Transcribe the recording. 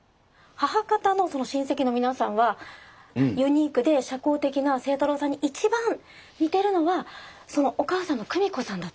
母方の親戚の皆さんはユニークで社交的な清太郎さんに一番似てるのはお母さんの久美子さんだと。